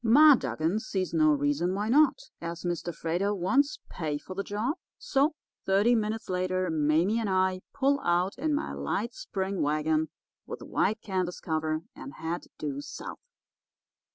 Ma Dugan sees no reason why not, as Mr. Freighter wants pay for the job; so, thirty minutes later Mame and I pull out in my light spring wagon with white canvas cover, and head due south.